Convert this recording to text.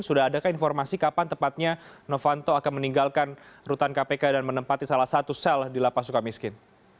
sudah adakah informasi kapan tepatnya novanto akan meninggalkan rutan kpk dan menempati salah satu sel di lapas suka miskin